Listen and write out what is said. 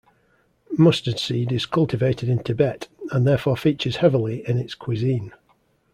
Mustard seed is cultivated in Tibet, and therefore features heavily in its cuisine.